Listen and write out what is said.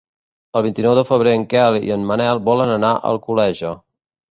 El vint-i-nou de febrer en Quel i en Manel volen anar a Alcoleja.